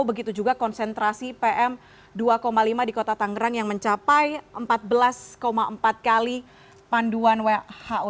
begitu juga konsentrasi pm dua lima di kota tangerang yang mencapai empat belas empat kali panduan who